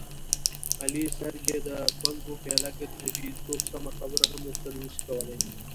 علي سر کې د بنګو پیاله ګرځوي، څوک سمه خبره هم ورسره نشي کولی.